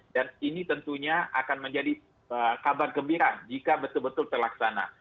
ini tentunya akan menjadi kabar gembira jika betul betul terlaksana